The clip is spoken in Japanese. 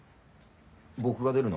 僕が出るの？